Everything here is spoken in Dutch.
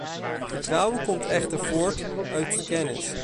Vertrouwen komt echter voort uit kennis.